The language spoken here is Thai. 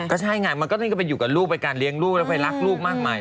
ก็ใช่ไงมันก็ต้องไปอยู่กับลูกไปการเลี้ยงลูกแล้วไปรักลูกมากมาย